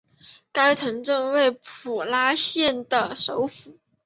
该城镇为普拉县的首府。